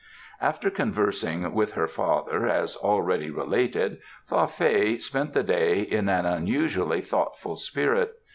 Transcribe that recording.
After conversing with her father, as already related, Fa Fei spent the day in an unusually thoughtful spirit.